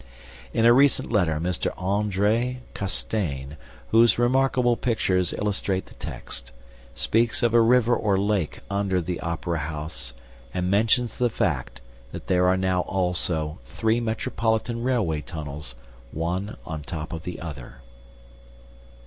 In a recent letter Mr. Andre Castaigne, whose remarkable pictures illustrate the text, speaks of a river or lake under the Opera House and mentions the fact that there are now also three metropolitan railway tunnels, one on top of the other.